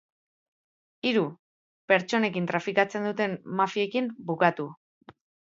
Hiru, pertsonekin trafikatzen duten mafiekin bukatu.